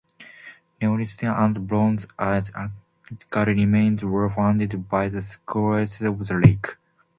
Neolithic and Bronze Age archaeological remains were found by the shores of the lake.